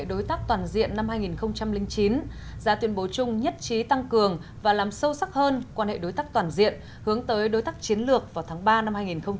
đối tác toàn diện năm hai nghìn chín ra tuyên bố chung nhất trí tăng cường và làm sâu sắc hơn quan hệ đối tác toàn diện hướng tới đối tác chiến lược vào tháng ba năm hai nghìn hai mươi